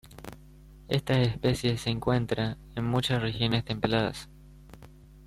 Estas especies se encuentra en muchas regiones templadas.